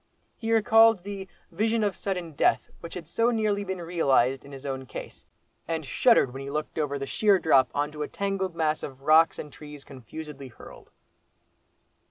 He recalled the "vision of sudden death" which had so nearly been realised in his own case, and shuddered as he looked over the sheer drop on to a tangled mass of "rocks and trees confusedly hurled."